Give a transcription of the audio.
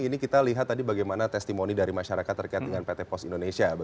ini kita lihat tadi bagaimana testimoni dari masyarakat terkait dengan pt pos indonesia